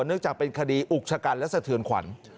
เนื่องจากเป็นคดีอุกชะกันและสะเทือนขวัญ